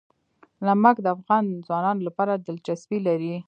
نمک د افغان ځوانانو لپاره دلچسپي لري.